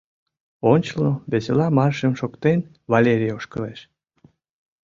Ончылно, весела маршым шоктен, Валерий ошкылеш.